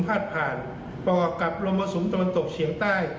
พลาดผ่านประกอบกับรมหสุนตตกเฉียงใต้